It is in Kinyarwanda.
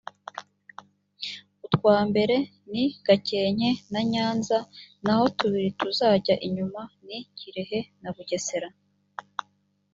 utwambere ni : gakenke na nyanza naho tubiri tuza inyuma ni: kirehe na bugesera .